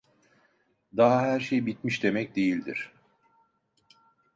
Daha her şey bitmiş demek değildir…